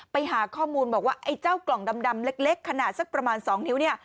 ไปหาข้อมูลบอกว่าไอ้เจ้ากล่องดำเล็กขนาดสักประมาณ๒นิ้วเนี่ย